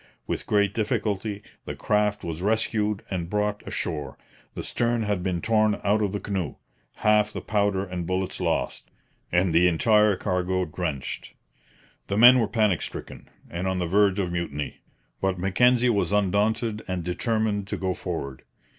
With great difficulty the craft was rescued and brought ashore. The stern had been torn out of the canoe, half the powder and bullets lost, and the entire cargo drenched. The men were panic stricken and on the verge of mutiny; but Mackenzie was undaunted and determined to go forward.